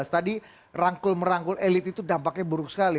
tadi rangkul merangkul elit itu dampaknya buruk sekali